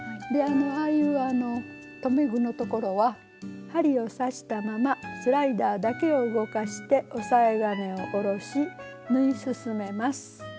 ああいう留め具のところは針を刺したままスライダーだけを動かして押さえ金を下ろし縫い進めます。